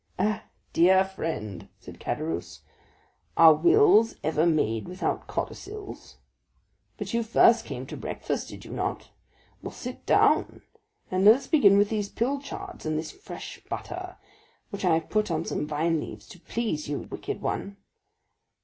"Eh, dear friend," said Caderousse, "are wills ever made without codicils? But you first came to breakfast, did you not? Well, sit down, and let us begin with these pilchards, and this fresh butter; which I have put on some vine leaves to please you, wicked one.